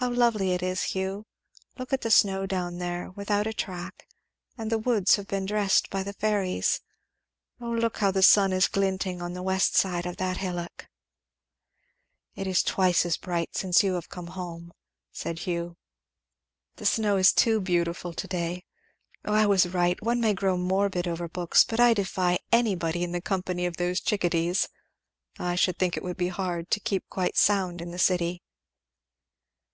How lovely it is, Hugh! Look at the snow down there without a track; and the woods have been dressed by the fairies. O look how the sun is glinting on the west side of that hillock!" [Illustration: "How lovely it is, Hugh!"] "It is twice as bright since you have come home," said Hugh. "The snow is too beautiful to day. O I was right! one may grow morbid over books but I defy anybody in the company of those chick a dees. I should think it would be hard to keep quite sound in the city."